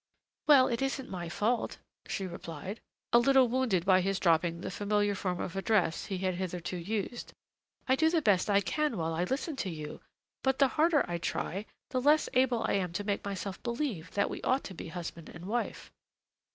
"Well, it isn't my fault," she replied, a little wounded by his dropping the familiar form of address he had hitherto used; "I do the best I can while I listen to you, but the harder I try, the less able I am to make myself believe that we ought to be husband and wife."